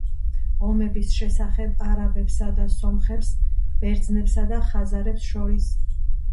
ომების შესახებ არაბებსა და სომხებს, ბერძნებს და ხაზარებს შორის.